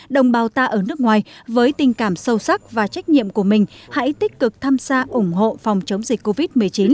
đồng bào ta ở nước ngoài với tình cảm sâu sắc và trách nhiệm của mình hãy tích cực tham gia ủng hộ phòng chống dịch covid một mươi chín